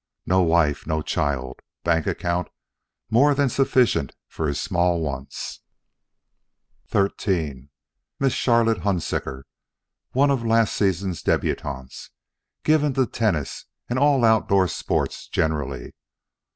No wife, no child. Bank account more than sufficient for his small wants. XIII Miss Charlotte Hunsicker, one of last season's débutantes. Given to tennis and all outdoor sports generally.